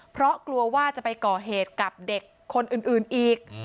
เพราะกลัวว่าจะไปก่อเหตุกับเด็กคนอื่นอีก